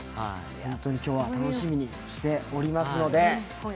今日は楽しみにしておりますので。